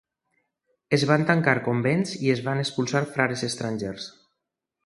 Es van tancar convents i es van expulsar frares estrangers.